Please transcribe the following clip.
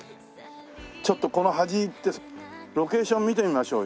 ちょっとこの端行ってロケーション見てみましょうよ。